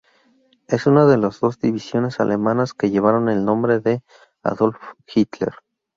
Es una de las dos divisiones alemanas que llevaron el nombre de Adolf Hitler.